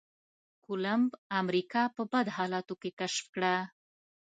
کولمب امريکا په بد حالاتو کې کشف کړه.